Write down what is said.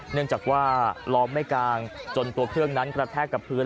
เนื่องจากว่าล้อมไม่กลางจนตัวเครื่องนั้นกระแทกกับพื้น